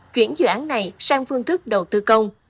chuyển dự án này sang phương thức đầu tư công